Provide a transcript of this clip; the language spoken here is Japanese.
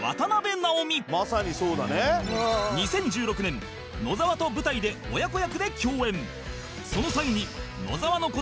２０１６年野沢と舞台で親子役で共演